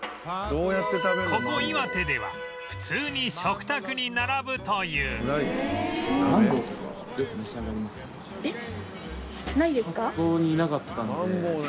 ここ岩手では普通に食卓に並ぶというなかったので。